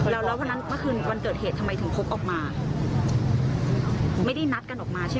แล้วเพราะฉะนั้นเมื่อวันเกิดเหตุทำไมถึงพบออกมา